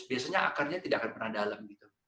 biasanya akarnya tidak akan pernah dalam gitu